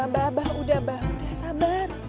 bapak udah sabar